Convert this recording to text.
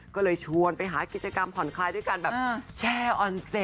ก็เลยชวนไปหากิจกรรมผ่อนคลายด้วยการแบบแช่ออนเซ็ต